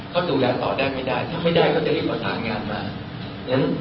เขาดูแลต่อได้ไม่ได้ถ้าไม่ได้เขาจะรีบออกสารงานมา